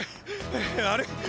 あれ？